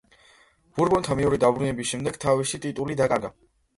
ბურბონთა მეორედ დაბრუნების შემდეგ თავისი ტიტული დაკარგა.